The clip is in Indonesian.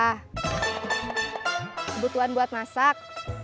kebutuhan buat masak